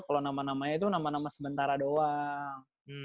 kalau nama namanya itu nama nama sementara doang